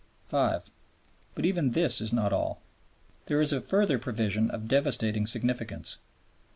5. But even this is not all. There is a further provision of devastating significance.